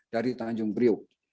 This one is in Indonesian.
dari tanjung priok